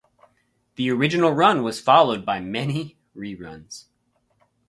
The original run was followed by many reruns.